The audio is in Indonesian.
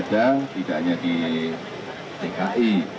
tidak hanya di tki